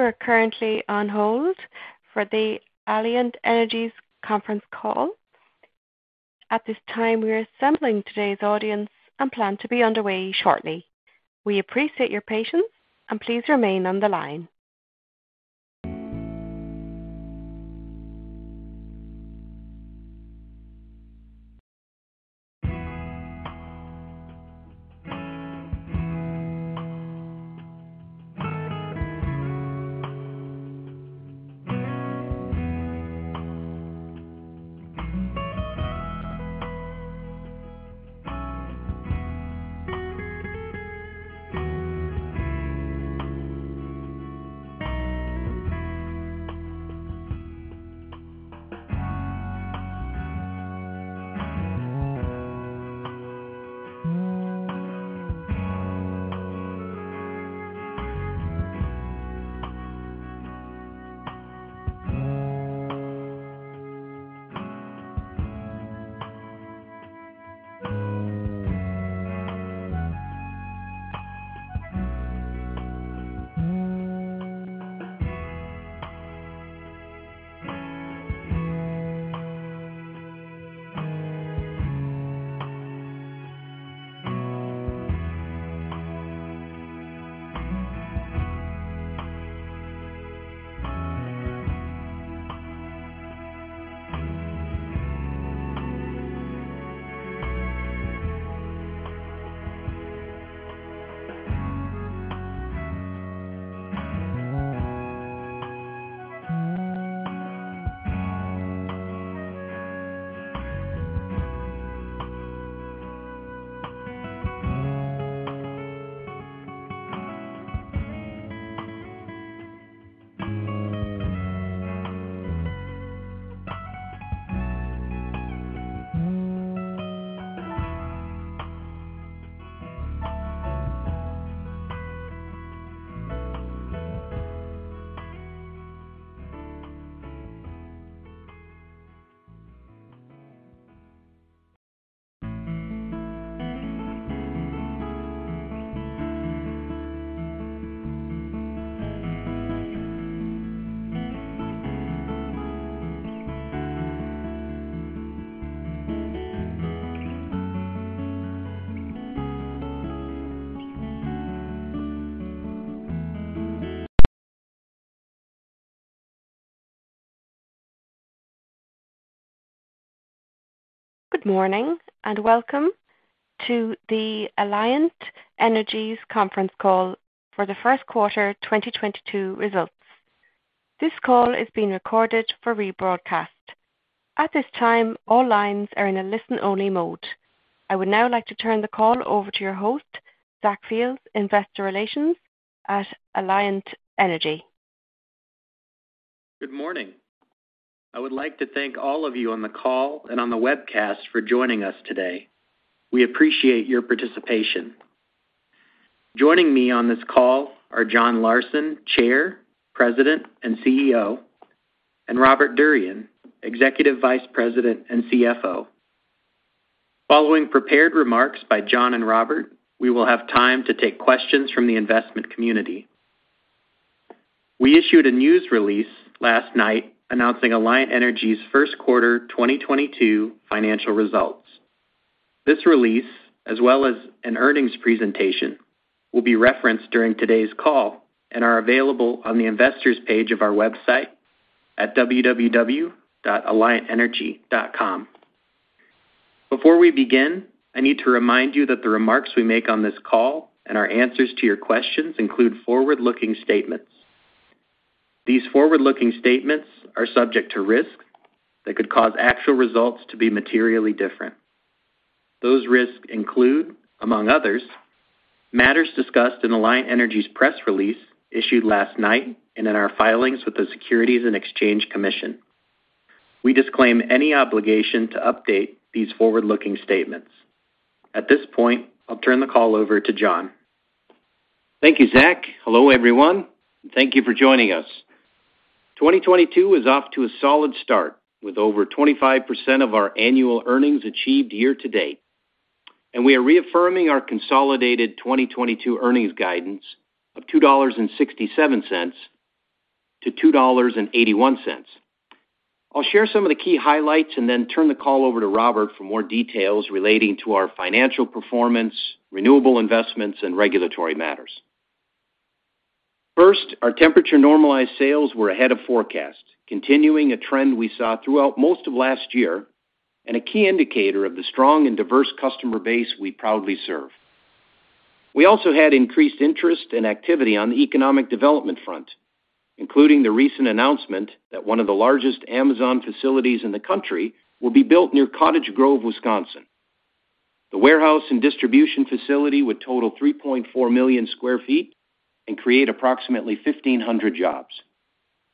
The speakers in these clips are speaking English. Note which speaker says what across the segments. Speaker 1: You are currently on hold for the Alliant Energy conference call. At this time, we are assembling today's audience and plan to be underway shortly. We appreciate your patience and please remain on the line. Good morning, and Welcome to the Alliant Energy Conference Call for The First Quarter 2022 Results. This call is being recorded for rebroadcast. At this time, all lines are in a listen-only mode. I would now like to turn the call over to your host, Zach Fields, Investor Relations at Alliant Energy.
Speaker 2: Good morning. I would like to thank all of you on the call and on the webcast for joining us today. We appreciate your participation. Joining me on this call are John Larsen, Chair, President, and CEO, and Robert Durian, Executive Vice President and CFO. Following prepared remarks by John and Robert, we will have time to take questions from the investment community. We issued a news release last night announcing Alliant Energy's first quarter 2022 financial results. This release, as well as an earnings presentation, will be referenced during today's call and are available on the investors page of our website at www.alliantenergy.com. Before we begin, I need to remind you that the remarks we make on this call and our answers to your questions include forward-looking statements. These forward-looking statements are subject to risks that could cause actual results to be materially different. Those risks include, among others, matters discussed in Alliant Energy's press release issued last night and in our filings with the Securities and Exchange Commission. We disclaim any obligation to update these forward-looking statements. At this point, I'll turn the call over to John.
Speaker 3: Thank you, Zach. Hello, everyone, and thank you for joining us. 2022 is off to a solid start with over 25% of our annual earnings achieved year to date, and we are reaffirming our consolidated 2022 earnings guidance of $2.67-$2.81. I'll share some of the key highlights, and then turn the call over to Robert for more details relating to our financial performance, renewable investments, and regulatory matters. First, our temperature-normalized sales were ahead of forecast, continuing a trend we saw throughout most of last year and a key indicator of the strong and diverse customer base we proudly serve. We also had increased interest and activity on the economic development front, including the recent announcement that one of the largest Amazon facilities in the country will be built near Cottage Grove, Wisconsin. The warehouse and distribution facility would total 3.4 million sq ft and create approximately 1,500 jobs.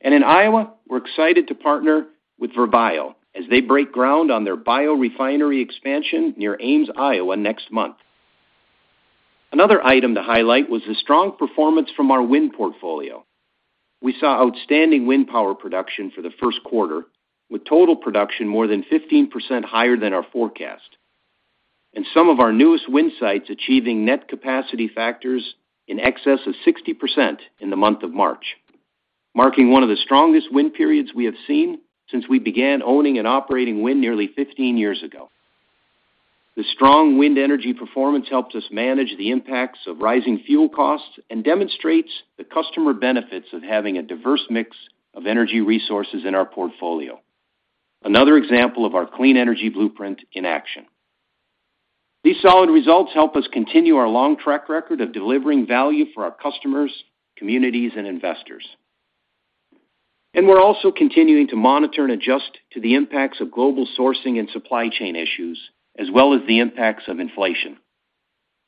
Speaker 3: In Iowa, we're excited to partner with Verbio as they break ground on their biorefinery expansion near Ames, Iowa next month. Another item to highlight was the strong performance from our wind portfolio. We saw outstanding wind power production for the first quarter, with total production more than 15% higher than our forecast. Some of our newest wind sites achieving net capacity factors in excess of 60% in the month of March, marking one of the strongest wind periods we have seen since we began owning and operating wind nearly 15 years ago. The strong wind energy performance helps us manage the impacts of rising fuel costs and demonstrates the customer benefits of having a diverse mix of energy resources in our portfolio. Another example of our clean energy blueprint in action. These solid results help us continue our long track record of delivering value for our customers, communities, and investors. We're also continuing to monitor and adjust to the impacts of global sourcing and supply chain issues, as well as the impacts of inflation.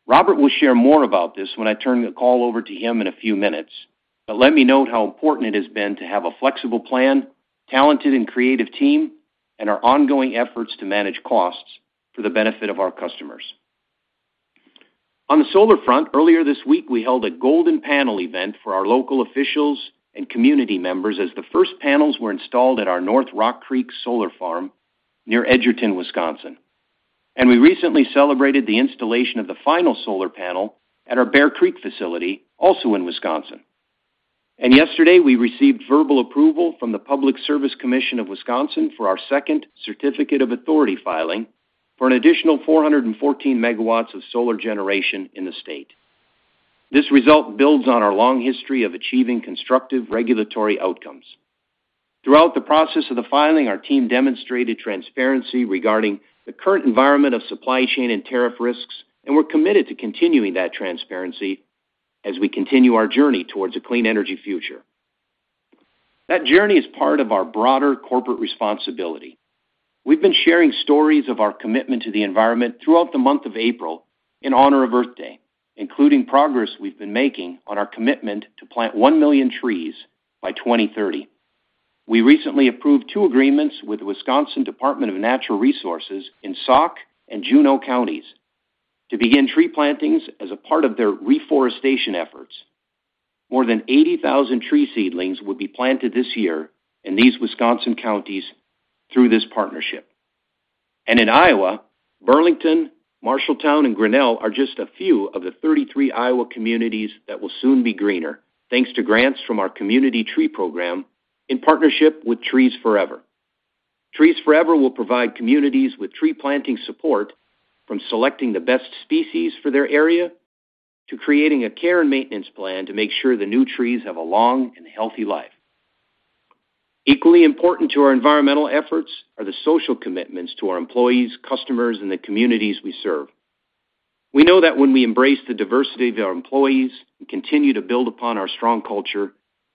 Speaker 3: Robert will share more about this when I turn the call over to him in a few minutes, but let me note how important it has been to have a flexible plan, talented and creative team, and our ongoing efforts to manage costs for the benefit of our customers. On the solar front, earlier this week, we held a golden panel event for our local officials and community members as the first panels were installed at our North Rock Solar Project near Edgerton, Wisconsin. We recently celebrated the installation of the final solar panel at our Bear Creek facility, also in Wisconsin. Yesterday, we received verbal approval from the Public Service Commission of Wisconsin for our second Certificate of Authority filing for an additional 414 MW of solar generation in the state. This result builds on our long history of achieving constructive regulatory outcomes. Throughout the process of the filing, our team demonstrated transparency regarding the current environment of supply chain and tariff risks, and we're committed to continuing that transparency as we continue our journey towards a clean energy future. That journey is part of our broader corporate responsibility. We've been sharing stories of our commitment to the environment throughout the month of April in honor of Earth Day, including progress we've been making on our commitment to plant 1 million trees by 2030. We recently approved two agreements with the Wisconsin Department of Natural Resources in Sauk and Juneau Counties to begin tree plantings as a part of their reforestation efforts. More than 80,000 tree seedlings will be planted this year in these Wisconsin counties through this partnership. In Iowa, Burlington, Marshalltown, and Grinnell are just a few of the 33 Iowa communities that will soon be greener, thanks to grants from our community tree program in partnership with Trees Forever. Trees Forever will provide communities with tree planting support from selecting the best species for their area to creating a care and maintenance plan to make sure the new trees have a long and healthy life. Equally important to our environmental efforts are the social commitments to our employees, customers, and the communities we serve. We know that when we embrace the diversity of our employees and continue to build upon our strong culture,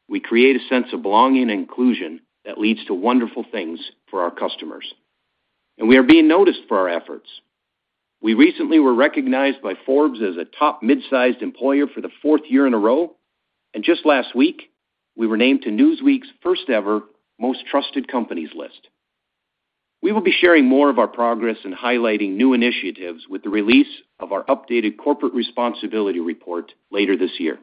Speaker 3: we create a sense of belonging and inclusion that leads to wonderful things for our customers. We are being noticed for our efforts. We recently were recognized by Forbes as a top mid-sized employer for the fourth year in a row, and just last week, we were named to Newsweek's first ever Most Trusted Companies list. We will be sharing more of our progress in highlighting new initiatives with the release of our updated corporate responsibility report later this year.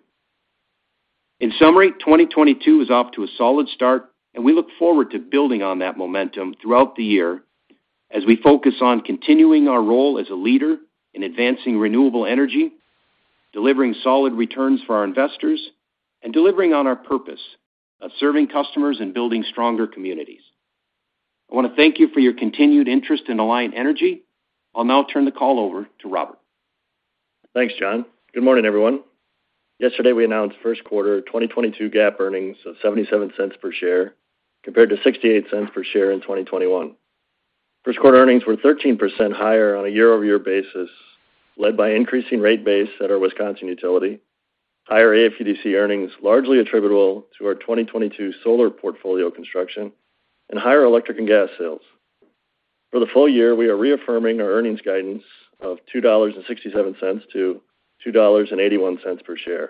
Speaker 3: In summary, 2022 is off to a solid start, and we look forward to building on that momentum throughout the year as we focus on continuing our role as a leader in advancing renewable energy, delivering solid returns for our investors, and delivering on our purpose of serving customers and building stronger communities. I want to thank you for your continued interest in Alliant Energy. I'll now turn the call over to Robert.
Speaker 4: Thanks, John. Good morning, everyone. Yesterday, we announced first quarter 2022 GAAP earnings of $0.77 per share compared to $0.68 per share in 2021. First quarter earnings were 13% higher on a year-over-year basis, led by increasing rate base at our Wisconsin utility, higher AFUDC earnings largely attributable to our 2022 solar portfolio construction, and higher electric and gas sales. For the full year, we are reaffirming our earnings guidance of $2.67-$2.81 per share.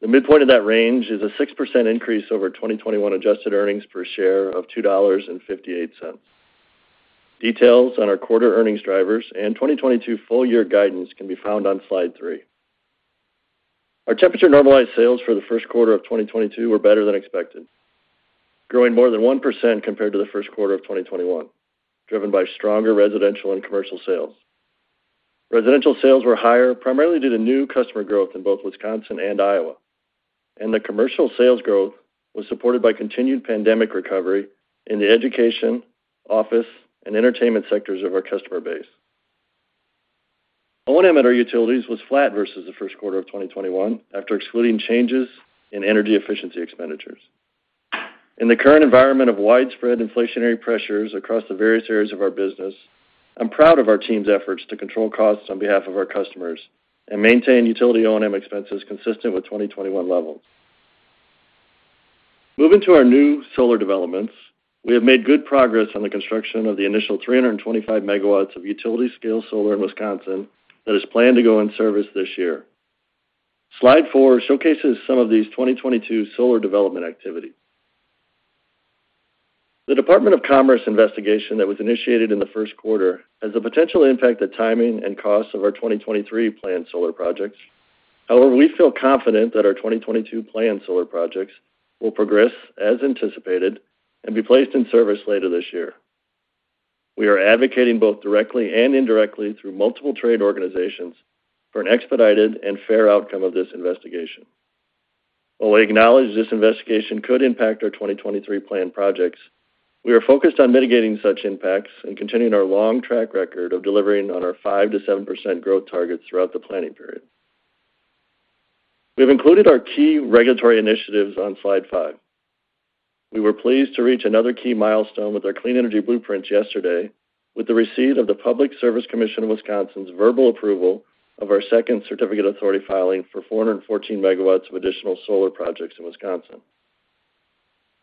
Speaker 4: The midpoint of that range is a 6% increase over 2021 adjusted earnings per share of $2.58. Details on our quarter earnings drivers and 2022 full year guidance can be found on slide three. Our temperature normalized sales for the first quarter of 2022 were better than expected, growing more than 1% compared to the first quarter of 2021, driven by stronger residential and commercial sales. Residential sales were higher, primarily due to new customer growth in both Wisconsin and Iowa. The commercial sales growth was supported by continued pandemic recovery in the education, office, and entertainment sectors of our customer base. O&M at our utilities was flat vs the first quarter of 2021 after excluding changes in energy efficiency expenditures. In the current environment of widespread inflationary pressures across the various areas of our business, I'm proud of our team's efforts to control costs on behalf of our customers and maintain utility O&M expenses consistent with 2021 levels. Moving to our new solar developments, we have made good progress on the construction of the initial 325 MW of utility scale solar in Wisconsin that is planned to go in service this year. Slide four showcases some of these 2022 solar development activities. The Department of Commerce investigation that was initiated in the first quarter has the potential to impact the timing and costs of our 2023 planned solar projects. However, we feel confident that our 2022 planned solar projects will progress as anticipated and be placed in service later this year. We are advocating both directly and indirectly through multiple trade organizations for an expedited and fair outcome of this investigation. While we acknowledge this investigation could impact our 2023 planned projects, we are focused on mitigating such impacts and continuing our long track record of delivering on our 5%-7% growth targets throughout the planning period. We have included our key regulatory initiatives on slide five. We were pleased to reach another key milestone with our clean energy blueprints yesterday with the receipt of the Public Service Commission of Wisconsin's verbal approval of our second Certificate of Authority filing for 414 MW of additional solar projects in Wisconsin.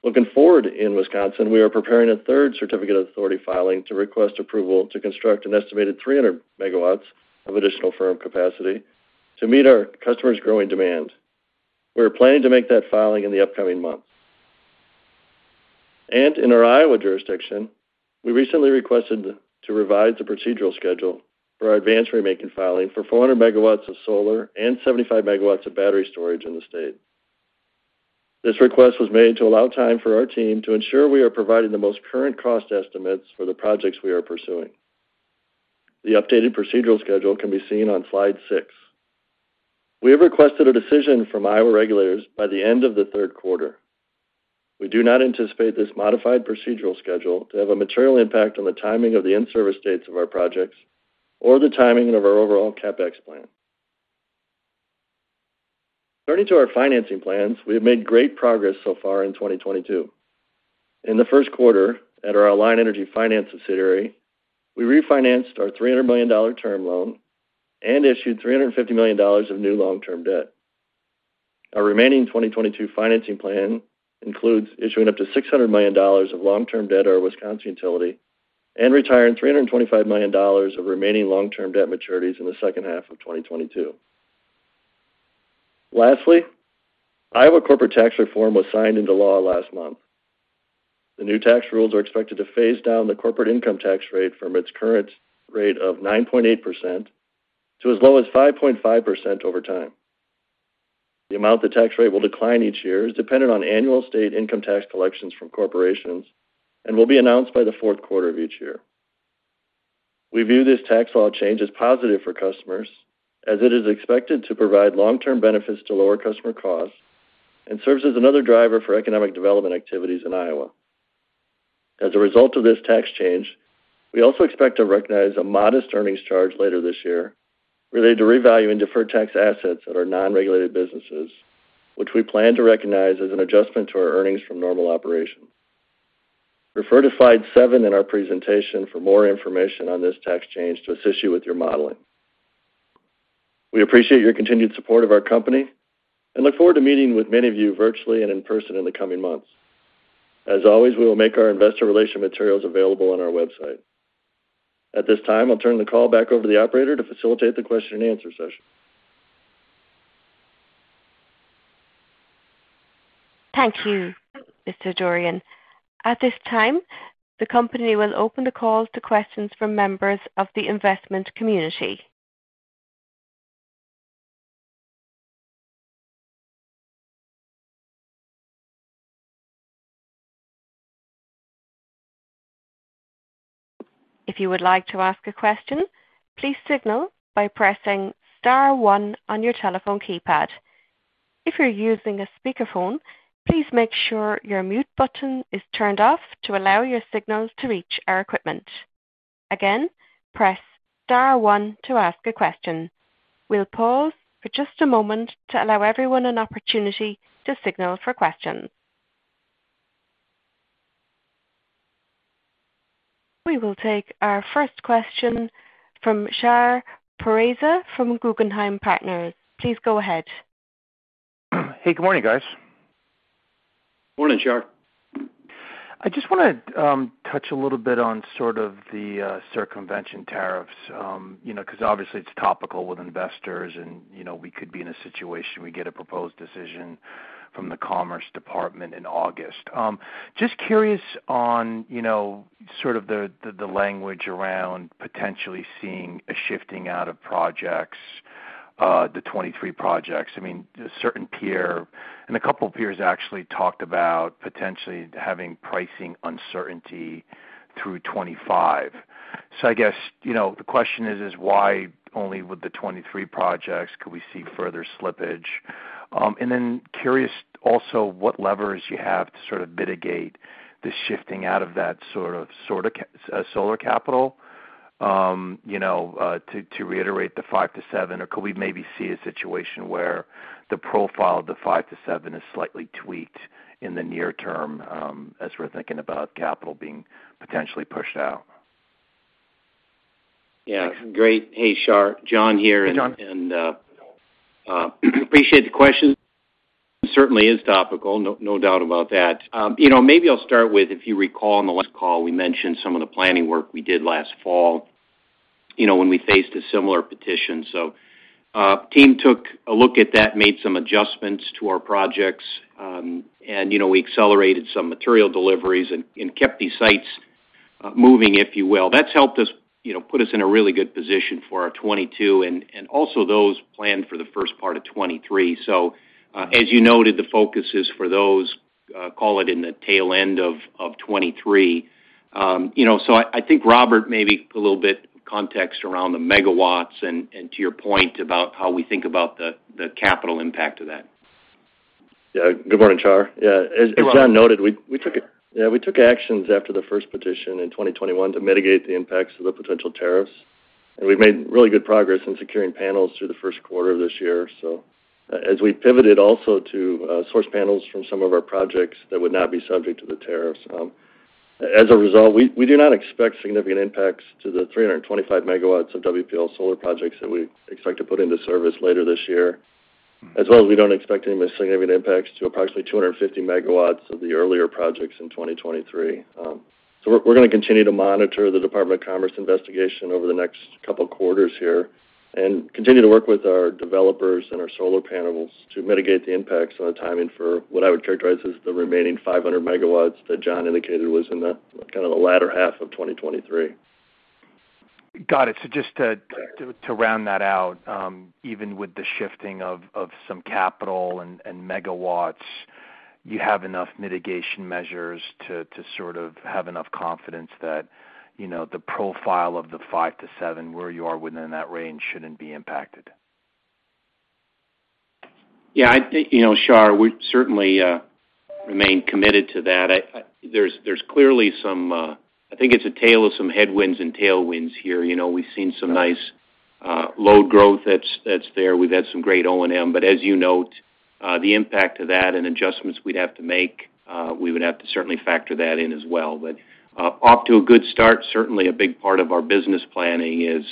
Speaker 4: Looking forward in Wisconsin, we are preparing a third Certificate of Authority filing to request approval to construct an estimated 300 MW of additional firm capacity to meet our customers' growing demand. We are planning to make that filing in the upcoming months. In our Iowa jurisdiction, we recently requested to revise the procedural schedule for our advance ratemaking filing for 400 MW of solar and 75 MW of battery storage in the state. This request was made to allow time for our team to ensure we are providing the most current cost estimates for the projects we are pursuing. The updated procedural schedule can be seen on slide six. We have requested a decision from Iowa regulators by the end of the third quarter. We do not anticipate this modified procedural schedule to have a material impact on the timing of the in-service dates of our projects or the timing of our overall CapEx plan. Turning to our financing plans, we have made great progress so far in 2022. In the first quarter at our Alliant Energy Finance subsidiary, we refinanced our $300 million term loan and issued $350 million of new long-term debt. Our remaining 2022 financing plan includes issuing up to $600 million of long-term debt at our Wisconsin utility and retiring $325 million of remaining long-term debt maturities in the second half of 2022. Lastly, Iowa corporate tax reform was signed into law last month. The new tax rules are expected to phase down the corporate income tax rate from its current rate of 9.8% to as low as 5.5% over time. The amount the tax rate will decline each year is dependent on annual state income tax collections from corporations and will be announced by the fourth quarter of each year. We view this tax law change as positive for customers as it is expected to provide long-term benefits to lower customer costs and serves as another driver for economic development activities in Iowa. As a result of this tax change, we also expect to recognize a modest earnings charge later this year related to revaluing deferred tax assets at our non-regulated businesses, which we plan to recognize as an adjustment to our earnings from normal operations. Refer to slide seven in our presentation for more information on this tax change to assist you with your modeling. We appreciate your continued support of our company and look forward to meeting with many of you virtually and in person in the coming months. As always, we will make our investor relations materials available on our website. At this time, I'll turn the call back over to the operator to facilitate the question and answer session.
Speaker 1: Thank you, Mr. Durian. At this time, the company will open the call to questions from members of the investment community. If you would like to ask a question, please signal by pressing star one on your telephone keypad. If you're using a speakerphone, please make sure your mute button is turned off to allow your signals to reach our equipment. Again, press star one to ask a question. We'll pause for just a moment to allow everyone an opportunity to signal for questions. We will take our first question from Shar Pourreza from Guggenheim Partners. Please go ahead.
Speaker 5: Hey, good morning, guys.
Speaker 4: Morning, Shar.
Speaker 5: I just want to touch a little bit on sort of the circumvention tariffs, you know, because obviously, it's topical with investors and, you know, we could be in a situation we get a proposed decision from the Commerce Department in August. Just curious on, you know, sort of the language around potentially seeing a shifting out of projects, the 2023 projects. I mean, a certain peer and a couple of peers actually talked about potentially having pricing uncertainty through 2025. I guess, you know, the question is why only with the 2023 projects could we see further slippage? Curious also what levers you have to sort of mitigate the shifting out of that sort of solar capital, you know, to reiterate the five to seven, or could we maybe see a situation where the profile of the five to seven is slightly tweaked in the near term, as we're thinking about capital being potentially pushed out?
Speaker 3: Yeah. Great. Hey, Shar. John here.
Speaker 5: Hey, John.
Speaker 3: Appreciate the question. Certainly is topical. No doubt about that. You know, maybe I'll start with, if you recall in the last call, we mentioned some of the planning work we did last fall, you know, when we faced a similar petition. Team took a look at that, made some adjustments to our projects, and you know, we accelerated some material deliveries and kept these sites. Moving, if you will. That's helped us, you know, put us in a really good position for our 2022 and also those planned for the first part of 2023. As you noted, the focus is for those, call it in the tail end of 2023. You know, I think Robert maybe a little bit context around the megawatts and to your point about how we think about the capital impact of that.
Speaker 4: Good morning, Shar. As John noted, we took actions after the first petition in 2021 to mitigate the impacts of the potential tariffs. We've made really good progress in securing panels through the first quarter of this year. As we pivoted also to source panels from some of our projects that would not be subject to the tariffs. As a result, we do not expect significant impacts to the 325 MW of WPL solar projects that we expect to put into service later this year. As well as we don't expect any significant impacts to approximately 250 MW of the earlier projects in 2023. We're gonna continue to monitor the Department of Commerce investigation over the next couple of quarters here and continue to work with our developers and our solar panels to mitigate the impacts on the timing for what I would characterize as the remaining 500 MW that John indicated was in the kind of latter half of 2023.
Speaker 5: Got it. Just to round that out, even with the shifting of some capital and megawatts, you have enough mitigation measures to sort of have enough confidence that, you know, the profile of the five to seven, where you are within that range shouldn't be impacted.
Speaker 3: Yeah. I think, you know, Shar, we certainly remain committed to that. I think it's a tale of some headwinds and tailwinds here. You know, we've seen some nice load growth that's there. We've had some great O&M. But as you note, the impact of that and adjustments we'd have to make, we would have to certainly factor that in as well. But off to a good start, certainly a big part of our business planning is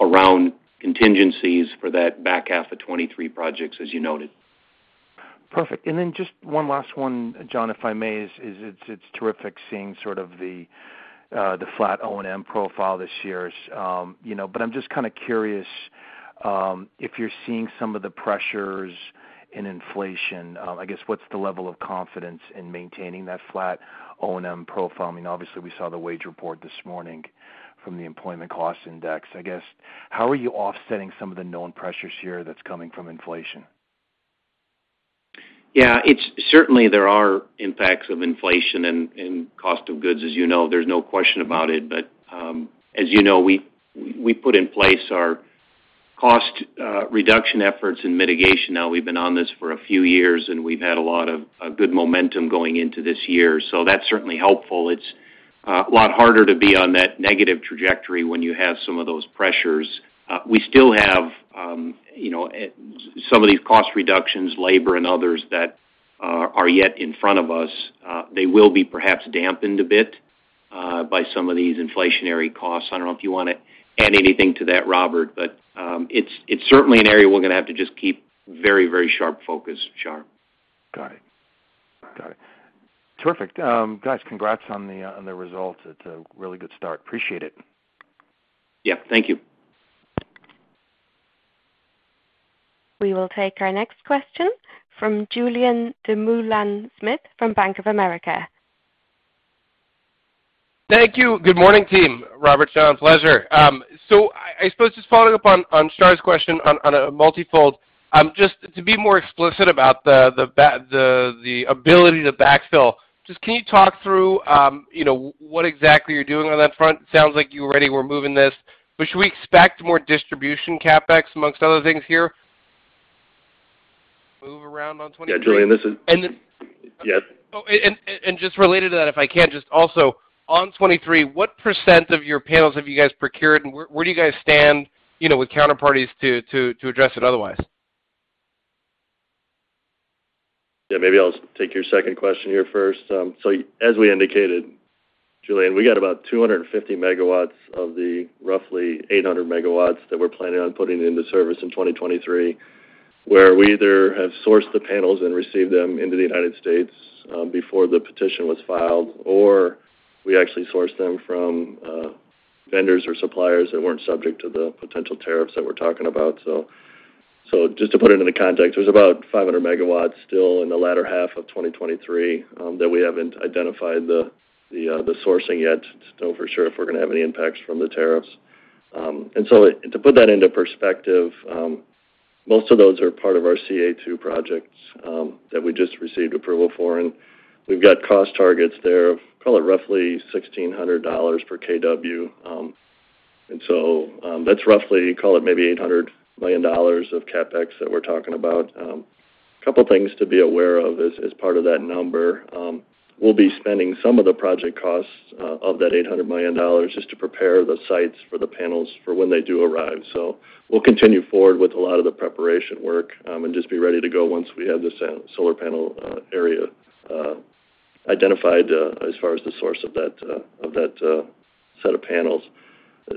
Speaker 3: around contingencies for that back half of 2023 projects, as you noted.
Speaker 5: Perfect. Then just one last one, John, if I may. It's terrific seeing sort of the flat O&M profile this year. You know, I'm just kind of curious if you're seeing some of the pressures in inflation. I guess what's the level of confidence in maintaining that flat O&M profile? I mean, obviously, we saw the wage report this morning from the Employment Cost Index. I guess, how are you offsetting some of the known pressures here that's coming from inflation?
Speaker 3: Yeah. It's certainly there are impacts of inflation and cost of goods, as you know. There's no question about it. As you know, we put in place our cost reduction efforts and mitigation. Now, we've been on this for a few years, and we've had a lot of good momentum going into this year. That's certainly helpful. It's a lot harder to be on that negative trajectory when you have some of those pressures. We still have, you know, some of these cost reductions, labor and others that are yet in front of us. They will be perhaps dampened a bit by some of these inflationary costs. I don't know if you wanna add anything to that, Robert, but it's certainly an area we're gonna have to just keep very, very sharp focus, Shar.
Speaker 5: Got it. Terrific. Guys, congrats on the results. It's a really good start. Appreciate it.
Speaker 3: Yeah. Thank you.
Speaker 1: We will take our next question from Julien Dumoulin-Smith from Bank of America.
Speaker 6: Thank you. Good morning, team. Robert, John, pleasure. I suppose just following up on Shar's question on a multifold, just to be more explicit about the ability to backfill, just can you talk through, you know, what exactly you're doing on that front? Sounds like you already were moving this. Should we expect more distribution CapEx among other things here? Move around on 2023.
Speaker 4: Yeah, Julien Dumoulin-Smith, this is
Speaker 6: And then-
Speaker 4: Yes.
Speaker 6: Oh, just related to that, if I can just also, on 2023, what percent of your panels have you guys procured, and where do you guys stand, you know, with counterparties to address it otherwise?
Speaker 4: Yeah, maybe I'll take your second question here first. As we indicated, Julien, we got about 250 MW of the roughly 800 MW that we're planning on putting into service in 2023, where we either have sourced the panels and received them into the United States before the petition was filed, or we actually sourced them from vendors or suppliers that weren't subject to the potential tariffs that we're talking about. Just to put it into context, there's about 500 MW still in the latter half of 2023 that we haven't identified the sourcing yet to know for sure if we're gonna have any impacts from the tariffs. To put that into perspective, most of those are part of our CA2 projects that we just received approval for. We've got cost targets there of, call it, roughly $1,600 per kW. That's roughly, call it, maybe $800 million of CapEx that we're talking about. Couple things to be aware of as part of that number. We'll be spending some of the project costs of that $800 million just to prepare the sites for the panels for when they do arrive. We'll continue forward with a lot of the preparation work and just be ready to go once we have the solar panel area identified as far as the source of that set of panels.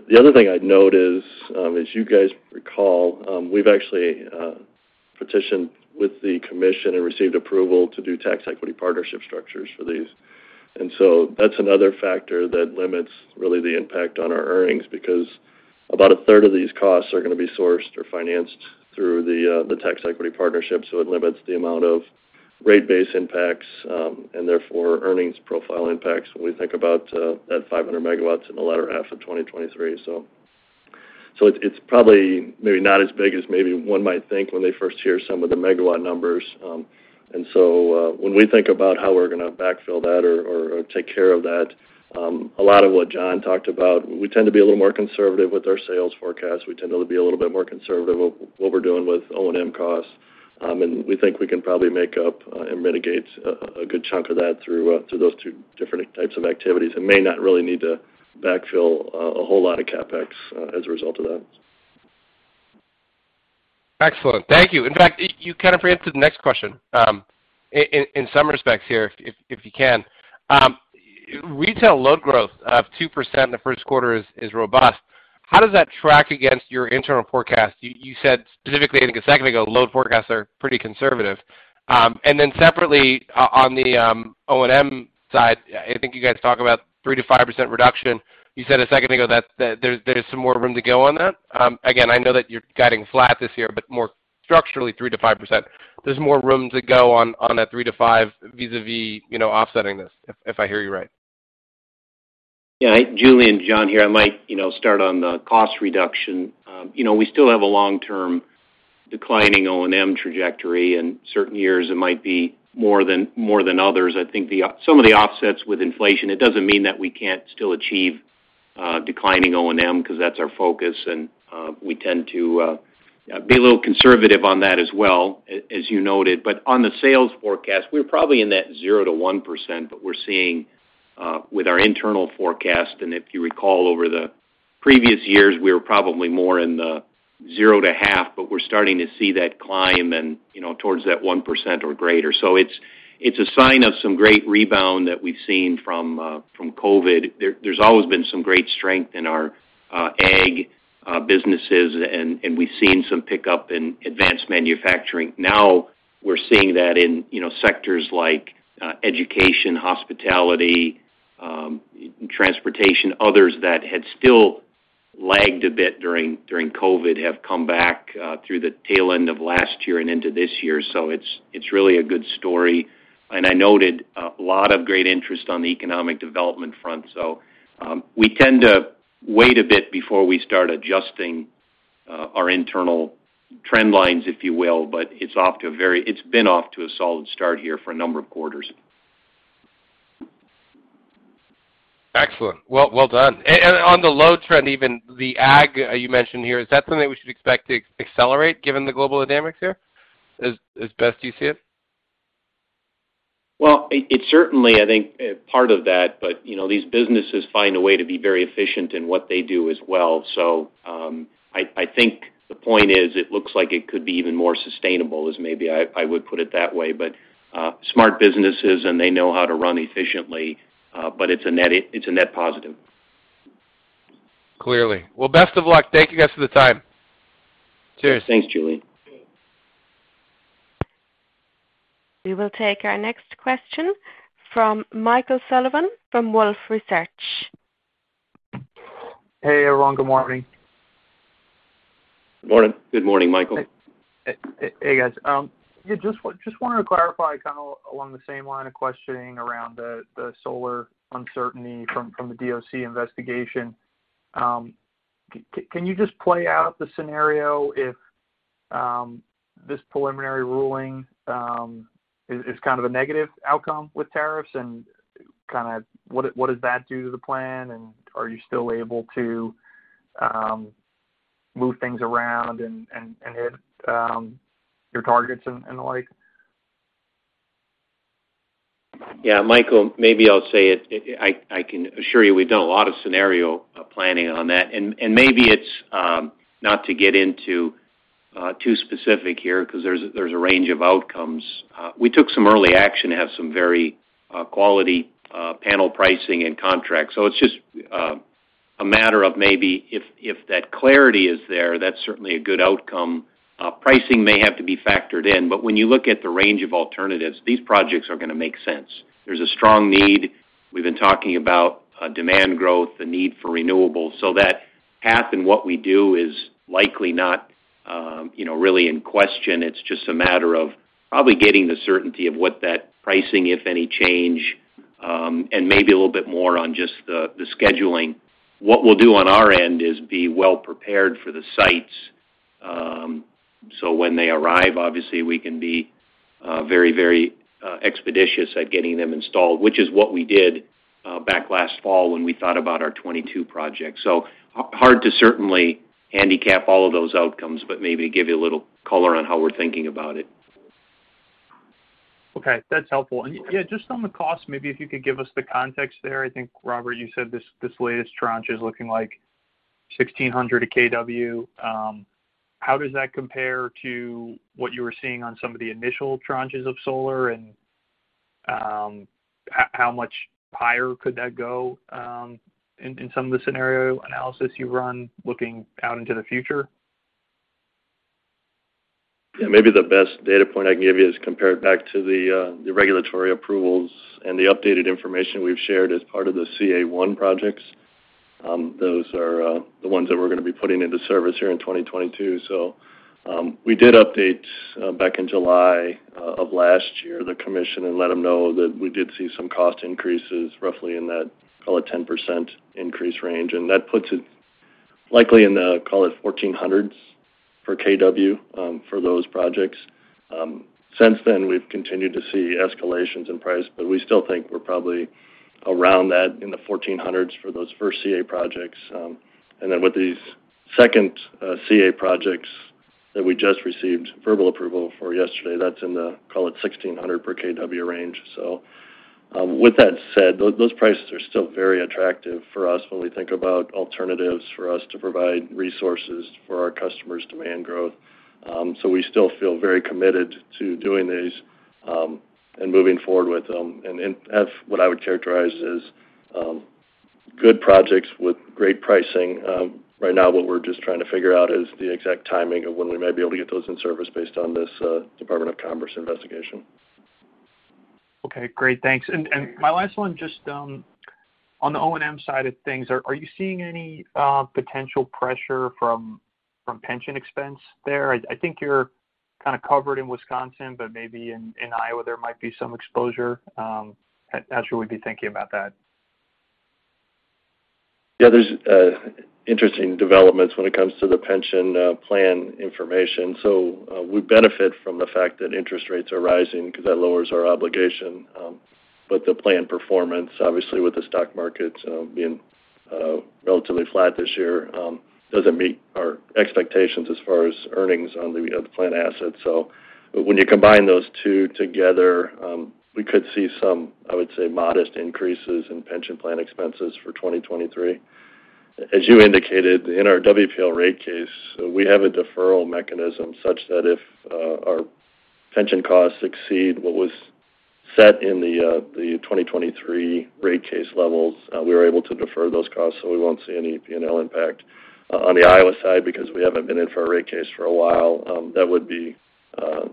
Speaker 4: The other thing I'd note is, as you guys recall, we've actually petitioned with the commission and received approval to do tax equity partnership structures for these. That's another factor that limits really the impact on our earnings because About a third of these costs are going to be sourced or financed through the tax equity partnership, so it limits the amount of rate base impacts, and therefore earnings profile impacts when we think about that 500 MW in the latter half of 2023. It's probably maybe not as big as maybe one might think when they first hear some of the megawatt numbers. When we think about how we're going to backfill that or take care of that, a lot of what John talked about, we tend to be a little more conservative with our sales forecast. We tend to be a little bit more conservative of what we're doing with O&M costs. We think we can probably make up and mitigate a good chunk of that through those two different types of activities and may not really need to backfill a whole lot of CapEx as a result of that.
Speaker 6: Excellent. Thank you. In fact, you kind of answered the next question, in some respects here, if you can. Retail load growth of 2% in the first quarter is robust. How does that track against your internal forecast? You said specifically, I think a second ago, load forecasts are pretty conservative. And then separately on the O&M side, I think you guys talk about 3%-5% reduction. You said a second ago that there's some more room to go on that. Again, I know that you're guiding flat this year, but more structurally, 3%-5%. There's more room to go on that 3%-5% vis-a-vis, you know, offsetting this, if I hear you right.
Speaker 3: Yeah. Julien, John here. I might, you know, start on the cost reduction. You know, we still have a long-term declining O&M trajectory, and certain years it might be more than others. I think some of the offsets with inflation, it doesn't mean that we can't still achieve declining O&M because that's our focus, and we tend to be a little conservative on that as well, as you noted. On the sales forecast, we're probably in that 0%-1%, but we're seeing with our internal forecast, and if you recall over the previous years, we were probably more in the 0%-0.5%, but we're starting to see that climb and, you know, towards that 1% or greater. It's a sign of some great rebound that we've seen from COVID. There's always been some great strength in our ag businesses and we've seen some pickup in advanced manufacturing. Now we're seeing that in, you know, sectors like education, hospitality, transportation, others that had still lagged a bit during COVID have come back through the tail end of last year and into this year. It's really a good story. I noted a lot of great interest on the economic development front. We tend to wait a bit before we start adjusting our internal trend lines, if you will, but it's been off to a solid start here for a number of quarters.
Speaker 6: Excellent. Well, well done. On the load trend, even the ag you mentioned here, is that something we should expect to accelerate given the global dynamics here, as best you see it?
Speaker 3: Well, it certainly, I think, part of that, but you know, these businesses find a way to be very efficient in what they do as well. I think the point is, it looks like it could be even more sustainable, as maybe I would put it that way, but smart businesses and they know how to run efficiently, but it's a net positive.
Speaker 6: Clearly. Well, best of luck. Thank you guys for the time. Cheers.
Speaker 3: Thanks, Julien.
Speaker 1: We will take our next question from Michael Sullivan from Wolfe Research.
Speaker 7: Hey, everyone. Good morning.
Speaker 3: Morning. Good morning, Michael.
Speaker 7: Hey, guys. Yeah, just wanted to clarify kind of along the same line of questioning around the solar uncertainty from the DOC investigation. Can you just play out the scenario if this preliminary ruling is kind of a negative outcome with tariffs and kind of what does that do to the plan? Are you still able to move things around and hit your targets and the like?
Speaker 3: Yeah. Michael, maybe I'll say it. I can assure you we've done a lot of scenario planning on that. Maybe it's not to get into too specific here because there's a range of outcomes. We took some early action to have some very quality panel pricing and contracts. It's just a matter of maybe if that clarity is there, that's certainly a good outcome. Pricing may have to be factored in, but when you look at the range of alternatives, these projects are going to make sense. There's a strong need. We've been talking about demand growth, the need for renewables. That path and what we do is likely not, you know, really in question. It's just a matter of probably getting the certainty of what that pricing, if any change, and maybe a little bit more on just the scheduling. What we'll do on our end is be well prepared for the sites. When they arrive, obviously, we can be very expeditious at getting them installed, which is what we did back last fall when we thought about our 22 projects. Hard to certainly handicap all of those outcomes, but maybe give you a little color on how we're thinking about it.
Speaker 7: Okay. That's helpful. Yeah, just on the cost, maybe if you could give us the context there. I think, Robert, you said this latest tranche is looking like 1,600 kW. How does that compare to what you were seeing on some of the initial tranches of solar? How much higher could that go, in some of the scenario analysis you run looking out into the future?
Speaker 4: Yeah, maybe the best data point I can give you is compared back to the regulatory approvals and the updated information we've shared as part of the CA1 projects. Those are the ones that we're gonna be putting into service here in 2022. We did update back in July of last year, the commission, and let them know that we did see some cost increases roughly in that call it 10% increase range. That puts it likely in the call it $1,400s for kW for those projects. Since then, we've continued to see escalations in price, but we still think we're probably around that in the $1,400s for those first CA1 projects. With these second CA projects that we just received verbal approval for yesterday, that's in the call it $1,600 per kW range. with that said, those prices are still very attractive for us when we think about alternatives for us to provide resources for our customers' demand growth. we still feel very committed to doing these and moving forward with them. that's what I would characterize as good projects with great pricing. right now what we're just trying to figure out is the exact timing of when we might be able to get those in service based on this Department of Commerce Investigation.
Speaker 7: Okay, great. Thanks. My last one, just on the O&M side of things, are you seeing any potential pressure from pension expense there? I think you're kinda covered in Wisconsin, but maybe in Iowa, there might be some exposure. How should we be thinking about that?
Speaker 4: Yeah, there's interesting developments when it comes to the pension plan information. We benefit from the fact that interest rates are rising because that lowers our obligation. The plan performance, obviously with the stock markets being relatively flat this year, doesn't meet our expectations as far as earnings on the, you know, the plan assets. When you combine those two together, we could see some, I would say, modest increases in pension plan expenses for 2023. As you indicated, in our WPL rate case, we have a deferral mechanism such that if our pension costs exceed what was set in the 2023 rate case levels, we were able to defer those costs, so we won't see any P&L impact. On the Iowa side, because we haven't been in for a rate case for a while, that would be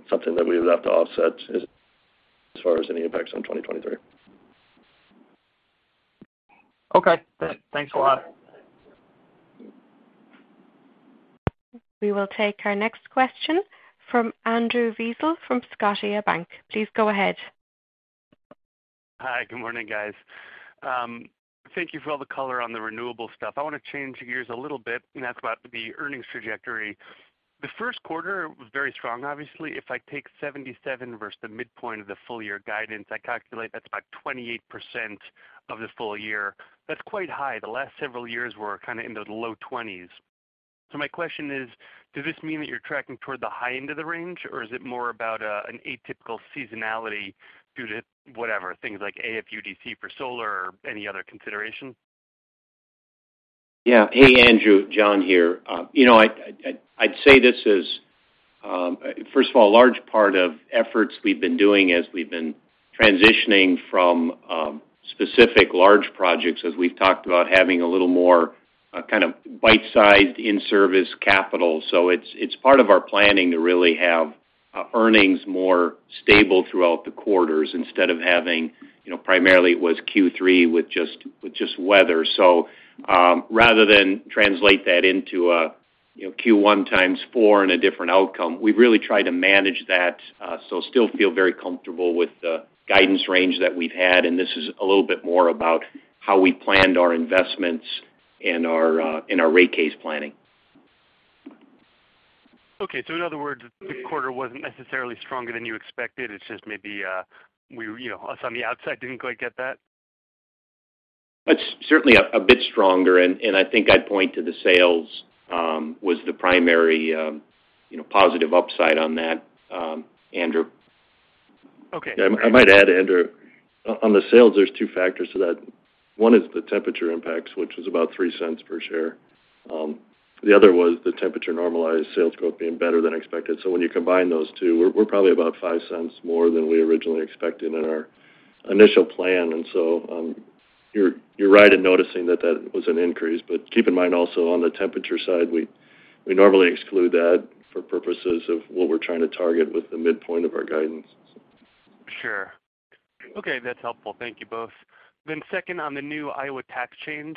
Speaker 4: something that we would have to offset as far as any impacts on 2023.
Speaker 7: Okay. Thanks a lot.
Speaker 1: We will take our next question from Andrew Weisel from Scotiabank. Please go ahead.
Speaker 8: Hi. Good morning, guys. Thank you for all the color on the renewable stuff. I wanna change gears a little bit, and that's about the earnings trajectory. The first quarter was very strong, obviously. If I take 77 vs the midpoint of the full year guidance, I calculate that's about 28% of the full year. That's quite high. The last several years were kinda in the low 20s. My question is, does this mean that you're tracking toward the high end of the range, or is it more about an atypical seasonality due to whatever, things like AFUDC for solar or any other consideration?
Speaker 3: Yeah. Hey, Andrew. John here. You know, I'd say this is first of all a large part of efforts we've been doing as we've been transitioning from specific large projects, as we've talked about having a little more kind of bite-sized in-service capital. It's part of our planning to really have earnings more stable throughout the quarters instead of having you know primarily it was Q3 with just weather. Rather than translate that into a you know Q1 times four in a different outcome, we've really tried to manage that so still feel very comfortable with the guidance range that we've had, and this is a little bit more about how we planned our investments and our in our rate case planning.
Speaker 8: In other words, the quarter wasn't necessarily stronger than you expected. It's just maybe, we, you know, us on the outside didn't quite get that?
Speaker 3: It's certainly a bit stronger, and I think I'd point to the sales was the primary, you know, positive upside on that, Andrew.
Speaker 8: Okay.
Speaker 4: Yeah, I might add, Andrew, on the sales, there's two factors to that. One is the temperature impacts, which was about $0.03 per share. The other was the temperature-normalized sales growth being better than expected. So when you combine those two, we're probably about $0.05 more than we originally expected in our initial plan. You're right in noticing that that was an increase. Keep in mind also on the temperature side, we normally exclude that for purposes of what we're trying to target with the midpoint of our guidance.
Speaker 8: Sure. Okay, that's helpful. Thank you both. Second on the new Iowa tax change,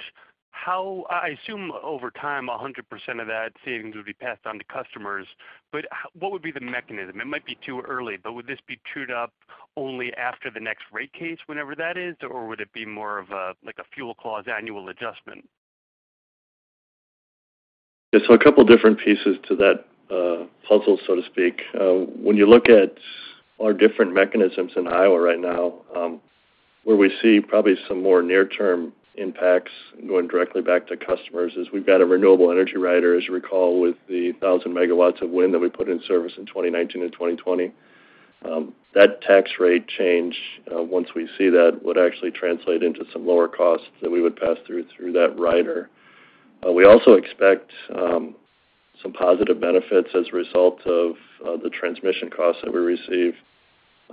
Speaker 8: I assume over time, 100% of that savings would be passed on to customers, but what would be the mechanism? It might be too early, but would this be trued up only after the next rate case, whenever that is? Or would it be more of a, like a fuel clause annual adjustment?
Speaker 4: Yeah. A couple different pieces to that puzzle, so to speak. When you look at our different mechanisms in Iowa right now, where we see probably some more near-term impacts going directly back to customers is we've got a renewable energy rider, as you recall, with the 1,000 MW of wind that we put in service in 2019 and 2020. That tax rate change, once we see that, would actually translate into some lower costs that we would pass through that rider. We also expect some positive benefits as a result of the transmission costs that we receive,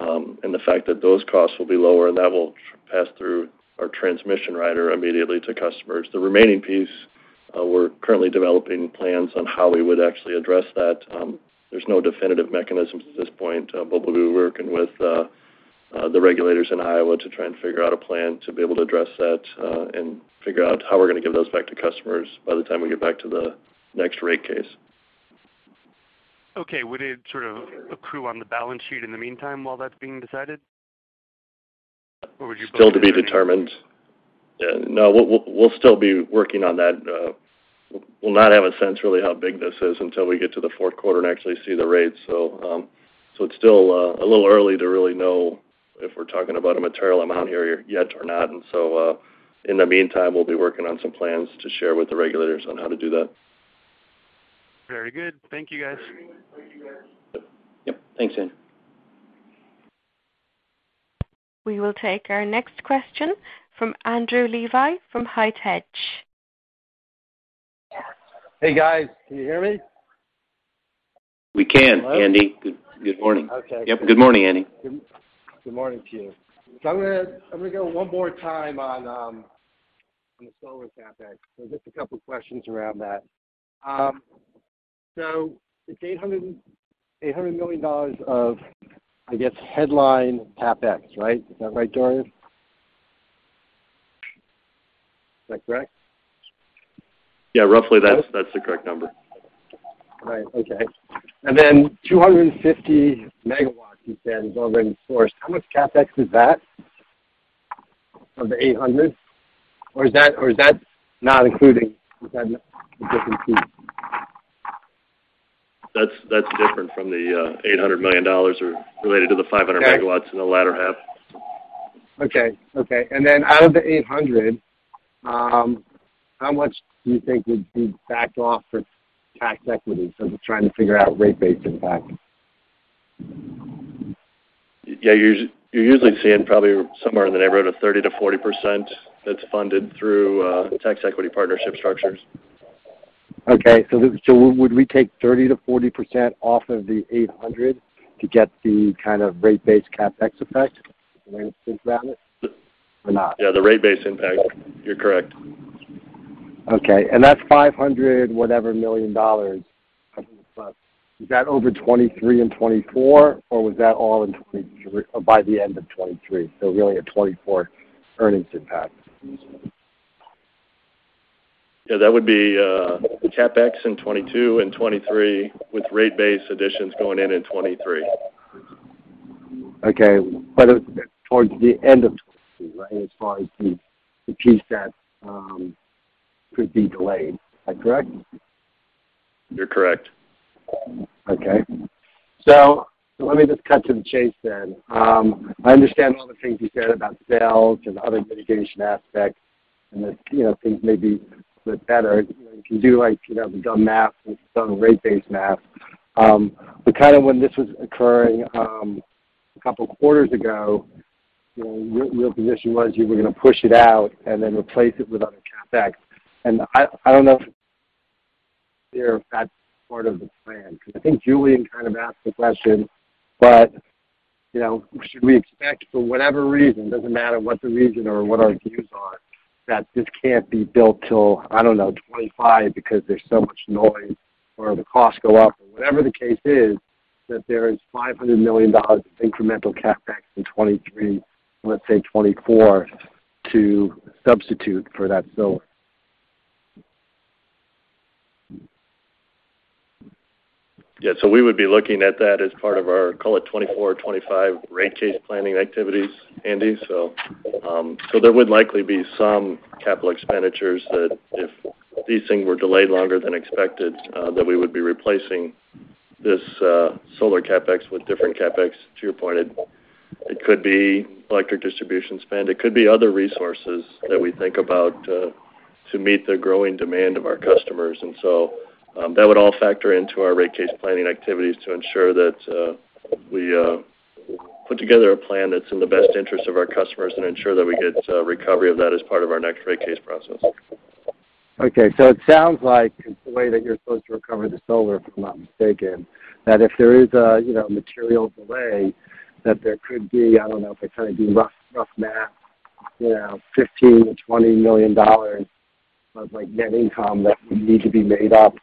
Speaker 4: and the fact that those costs will be lower, and that will pass through our transmission rider immediately to customers. The remaining piece, we're currently developing plans on how we would actually address that. There's no definitive mechanisms at this point. We'll be working with the regulators in Iowa to try and figure out a plan to be able to address that, and figure out how we're gonna give those back to customers by the time we get back to the next rate case.
Speaker 8: Okay. Would it sort of accrue on the balance sheet in the meantime while that's being decided? Or would you-
Speaker 4: Still to be determined. Yeah. No, we'll still be working on that. We'll not have a sense really how big this is until we get to the fourth quarter and actually see the rates. It's still a little early to really know if we're talking about a material amount here yet or not. In the meantime, we'll be working on some plans to share with the regulators on how to do that.
Speaker 8: Very good. Thank you, guys.
Speaker 4: Yep. Thanks, Andy.
Speaker 1: We will take our next question from Andrew Levi from HITE Hedge.
Speaker 9: Hey, guys. Can you hear me?
Speaker 4: We can, Andy.
Speaker 9: Hello?
Speaker 4: Good morning.
Speaker 9: Okay.
Speaker 4: Yep. Good morning, Andy.
Speaker 9: Good morning to you. I'm gonna go one more time on the solar CapEx. Just a couple questions around that. It's $800 million of, I guess, headline CapEx, right? Is that right, Durian? Is that correct?
Speaker 4: Yeah. Roughly, that's.
Speaker 9: Okay.
Speaker 4: That's the correct number.
Speaker 9: Right. Okay. 250 MW, you said, is already in service. How much CapEx is that of the $800 million? Is that not including? Is that a different piece?
Speaker 4: That's different from the $800 million or related to the 500 MW.
Speaker 9: Okay.
Speaker 4: In the latter half.
Speaker 9: Okay, out of the $800, how much do you think would be backed off for tax equity? Just trying to figure out rate base impact.
Speaker 4: Yeah. You're usually seeing probably somewhere in the neighborhood of 30%-40% that's funded through tax equity partnership structures.
Speaker 9: Okay. Would we take 30%-40% off of the $800 to get the kind of rate base CapEx effect when it sinks down or not?
Speaker 4: Yeah. The rate base impact, you're correct.
Speaker 9: Okay. That's $500 whatever million. Is that over 2023 and 2024, or was that all in 2023, or by the end of 2023, so really a 2024 earnings impact?
Speaker 4: Yeah, that would be CapEx in 2022 and 2023 with rate base additions going in in 2023.
Speaker 9: Okay. Towards the end of, right? As far as the piece that could be delayed. Is that correct?
Speaker 4: You're correct.
Speaker 9: Okay. Let me just cut to the chase then. I understand all the things you said about sales and other mitigation aspects and that, you know, things may be a bit better. You can do, like, you know, we've done math, we've done rate base math. Kind of when this was occurring, a couple quarters ago, you know, your position was you were gonna push it out and then replace it with other CapEx. I don't know if that's part of the plan. I think Julien kind of asked the question, but, you know, should we expect for whatever reason, doesn't matter what the reason or what our views are, that this can't be built till, I don't know, 2025 because there's so much noise or the costs go up or whatever the case is, that there is $500 million of incremental CapEx in 2023, let's say 2024 to substitute for that solar?
Speaker 4: Yeah. We would be looking at that as part of our, call it 2024 or 2025 rate case planning activities, Andy. There would likely be some capital expenditures that if these things were delayed longer than expected, that we would be replacing this solar CapEx with different CapEx to your point. It could be electric distribution spend, it could be other resources that we think about to meet the growing demand of our customers. That would all factor into our rate case planning activities to ensure that we put together a plan that's in the best interest of our customers and ensure that we get recovery of that as part of our next rate case process.
Speaker 9: Okay. It sounds like it's the way that you're supposed to recover the solar, if I'm not mistaken, that if there is a, you know, material delay, that there could be, I don't know, if I try to do rough math, you know, $15 million-$20 million of like net income that would need to be made up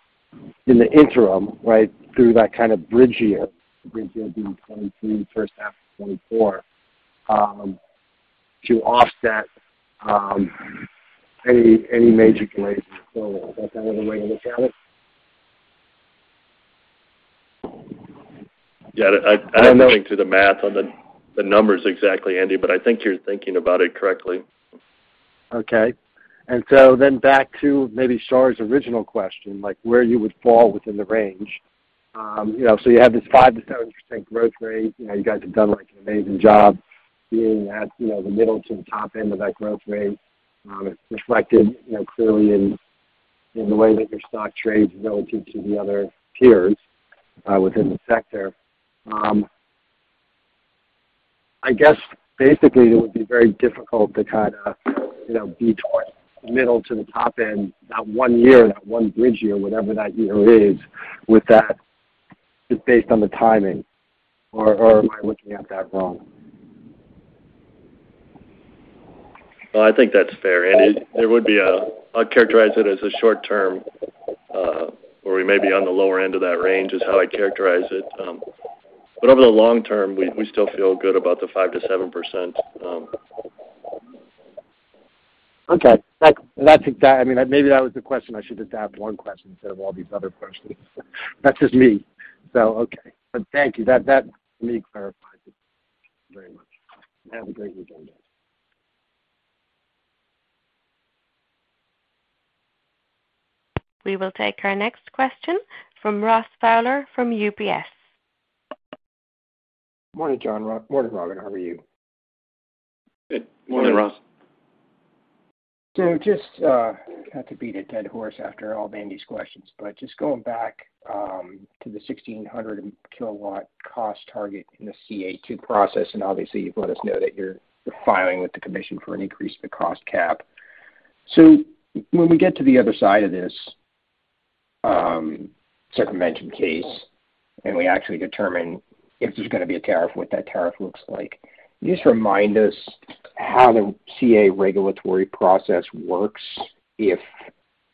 Speaker 9: in the interim, right? Through that kind of bridge year, the bridge year being 2022 to first half of 2024, to offset any major delays in the solar. Is that another way to look at it?
Speaker 4: Yeah.
Speaker 9: Or no-
Speaker 4: Haven't been through the math on the numbers exactly, Andy, but I think you're thinking about it correctly.
Speaker 9: Okay. Back to maybe Shar's original question, like where you would fall within the range. You have this 5%-7% growth rate. You guys have done like an amazing job being at, you know, the middle to the top end of that growth rate. It's reflected, you know, clearly in the way that your stock trades relative to the other peers within the sector. I guess basically it would be very difficult to kind of, you know, be towards the middle to the top end that one year, that one bridge year, whatever that year is, with that just based on the timing, or am I looking at that wrong?
Speaker 4: Well, I think that's fair. It would be a short term where we may be on the lower end of that range is how I'd characterize it. Over the long term, we still feel good about the 5%-7%.
Speaker 9: Okay. That's exactly. I mean, maybe that was the question. I should just ask one question instead of all these other questions. That's just me. Okay. Thank you. That for me clarifies it very much. Have a great weekend.
Speaker 1: We will take our next question from Ross Fowler from UBS.
Speaker 10: Morning, John. Morning, Robert. How are you?
Speaker 4: Good morning, Ross.
Speaker 10: Just not to beat a dead horse after all of Andy's questions, but just going back to the 1,600 kW cost target in the CA2 process, and obviously you've let us know that you're filing with the commission for an increase in the cost cap. When we get to the other side of this circumvention case, and we actually determine if there's gonna be a tariff, what that tariff looks like, just remind us how the CA regulatory process works if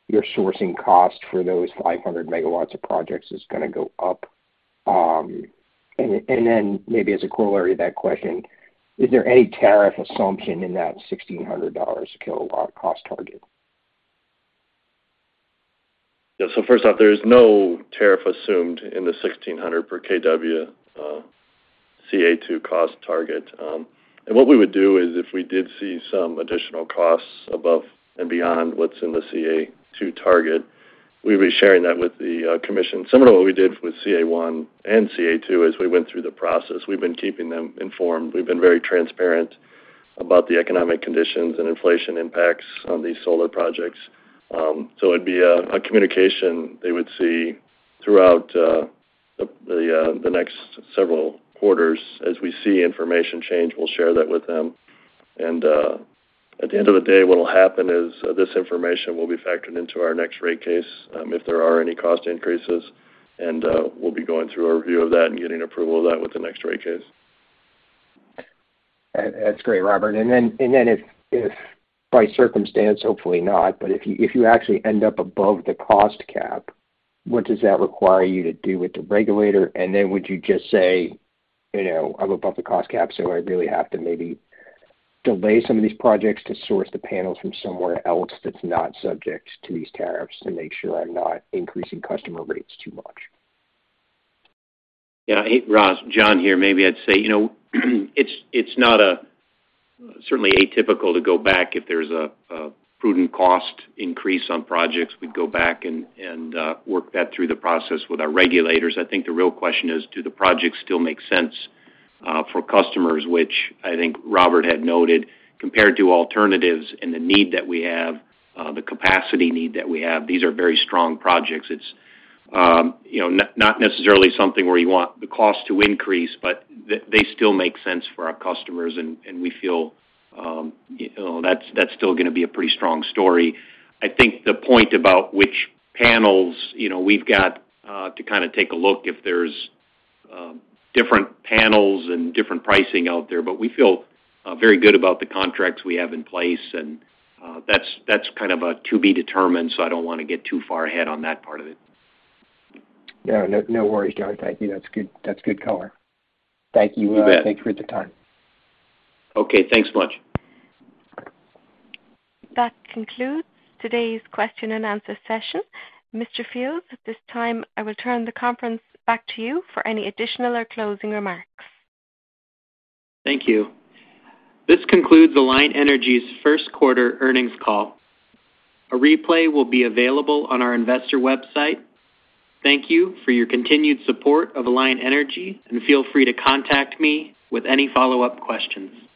Speaker 10: your sourcing cost for those 500 MW of projects is gonna go up. And then maybe as a corollary to that question, is there any tariff assumption in that $1,600/kW cost target?
Speaker 4: Yeah. First off, there is no tariff assumed in the 1,600 per kW CA2 cost target. What we would do is if we did see some additional costs above and beyond what's in the CA2 target, we'd be sharing that with the commission. Similar to what we did with CA1 and CA2 as we went through the process. We've been keeping them informed. We've been very transparent about the economic conditions and inflation impacts on these solar projects. It'd be a communication they would see throughout the next several quarters. As we see information change, we'll share that with them. At the end of the day, what will happen is this information will be factored into our next rate case, if there are any cost increases, and we'll be going through a review of that and getting approval of that with the next rate case.
Speaker 10: That's great, Robert. If by circumstance, hopefully not, but if you actually end up above the cost cap, what does that require you to do with the regulator? Would you just say, you know, "I'm above the cost cap, so I really have to maybe delay some of these projects to source the panels from somewhere else that's not subject to these tariffs to make sure I'm not increasing customer rates too much.
Speaker 3: Yeah. Hey, Ross, John here. Maybe I'd say, you know, it's not at all atypical to go back if there's a prudent cost increase on projects. We'd go back and work that through the process with our regulators. I think the real question is, do the projects still make sense for customers, which I think Robert had noted, compared to alternatives and the capacity need that we have. These are very strong projects. It's you know, not necessarily something where you want the cost to increase, but they still make sense for our customers and we feel, you know, that's still gonna be a pretty strong story. I think the point about which panels, you know, we've got to kinda take a look if there's different panels and different pricing out there. We feel very good about the contracts we have in place, and that's kind of a to be determined, so I don't wanna get too far ahead on that part of it.
Speaker 10: Yeah. No, no worries, John. Thank you. That's good, that's good color. Thank you.
Speaker 3: You bet.
Speaker 10: Thank you for the time.
Speaker 3: Okay. Thanks much.
Speaker 1: That concludes today's question and answer session. Mr. Fields, at this time, I will turn the conference back to you for any additional or closing remarks.
Speaker 2: Thank you. This concludes Alliant Energy's first quarter earnings call. A replay will be available on our investor website. Thank you for your continued support of Alliant Energy, and feel free to contact me with any follow-up questions.